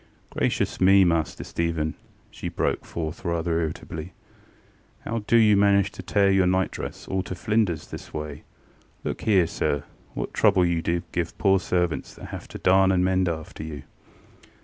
ŌĆ£Gracious me, Master Stephen! ŌĆØ she broke forth rather irritably, ŌĆ£how do you manage to tear your nightdress all to flinders this way? Look here, sir, what trouble you do give to poor servants that have to darn and mend after you!